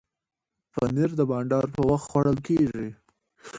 پنېر د بانډار پر وخت خوړل کېږي.